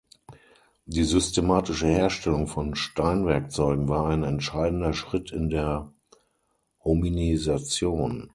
Die systematische Herstellung von Steinwerkzeugen war ein entscheidender Schritt in der Hominisation.